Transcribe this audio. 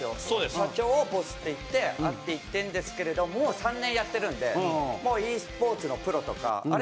社長を「ボス」って言って会っていってるんですけどもう３年やってるんでもうｅスポーツのプロとかあれ？